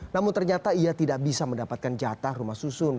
namun ternyata ia tidak bisa mendapatkan jatah rumah susun